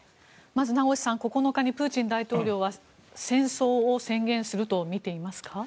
まず名越さん、９日にプーチン大統領は戦争を宣言すると見ていますか？